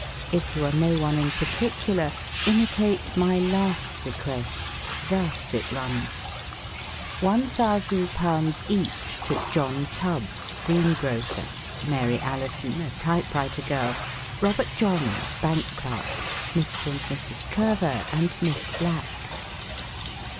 If you are no one in particular, imitate my last bequest. Thus it runs :" 1,000 each to John Tubbs, greengrocer, Mary Alison, a typewriter girl, Robert Johns, bank clerk, Mr. and Mrs. Curver and Miss Black."